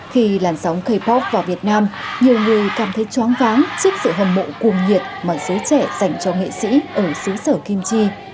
khi làn sóng k pop vào việt nam nhiều người cảm thấy chóng váng trước sự hâm mộ cuồng nhiệt mà giới trẻ dành cho nghệ sĩ ở xứ sở kim chi